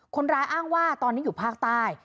คนร้ายอ้างว่าตอนนี้อยู่ภาคใต้